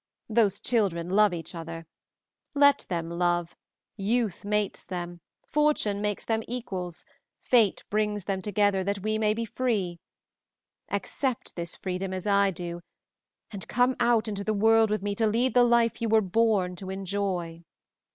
Those children love each other; let them love, youth mates them, fortune makes them equals, fate brings them together that we may be free. Accept this freedom as I do, and come out into the world with me to lead the life you were born to enjoy."